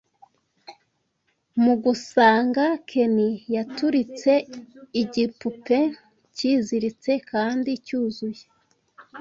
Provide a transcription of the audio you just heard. mugusanga Ken yaturitse igipupe, cyiziritse kandi cyuzuye